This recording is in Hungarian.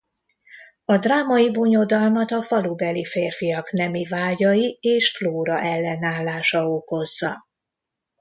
A drámai bonyodalmat a falubeli férfiak nemi vágyai és Flóra ellenállása okozza.